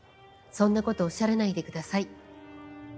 そんなことおっしゃらないでください。